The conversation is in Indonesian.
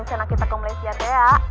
sena kita ke malaysia tea